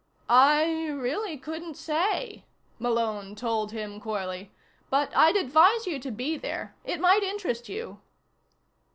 "I really couldn't say," Malone told him coyly. "But I'd advise you to be there. It might interest you."